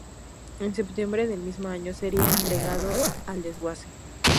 En septiembre del mismo año sería entregado al desguace